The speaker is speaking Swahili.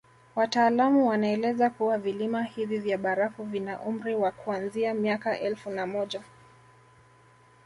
Wataalamu wanaeleza kuwa vilima hivi vya barafu vina umri wa kuanzia miaka elfu moja